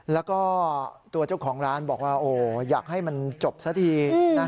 แล้วก็ตัวเจ้าของร้านบอกว่าอยากให้มันจบซะที